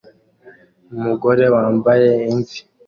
Umugore wambaye imvi